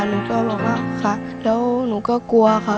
หนูก็บอกว่าค่ะแล้วหนูก็กลัวค่ะ